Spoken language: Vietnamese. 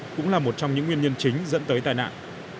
cũng là một trong những nguyên nhân chính dẫn tới tai nạn